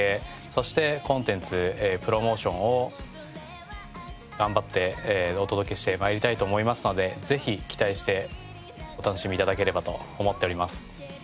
そしてコンテンツプロモーションを頑張ってお届けして参りたいと思いますのでぜひ期待してお楽しみ頂ければと思っております。